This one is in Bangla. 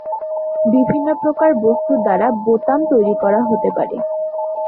বিভিন্ন প্রকার বস্তুর দ্বারা বোতাম তৈরি করা হতে পারে।